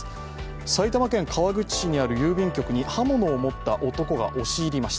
埼玉県川口市にある郵便局に刃物を盛った男が押し入りました。